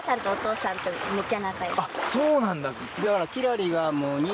あっそうなんだ。